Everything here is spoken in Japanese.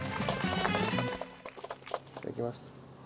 いただきます。